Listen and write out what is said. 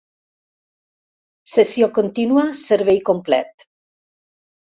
Sessió contínua, servei complet.